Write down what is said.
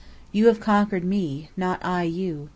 You have conquered me, not I you.